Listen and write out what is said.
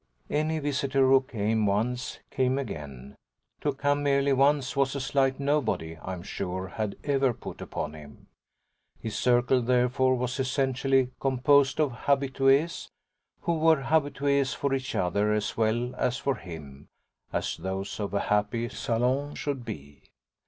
Any visitor who came once came again; to come merely once was a slight nobody, I'm sure, had ever put upon him. His circle therefore was essentially composed of habitués, who were habitués for each other as well as for him, as those of a happy salon should be.